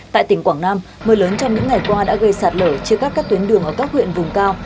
tại tỉnh quảng nam mưa lớn trong những ngày qua đã gây sạt lở chia cắt các tuyến đường ở các huyện vùng cao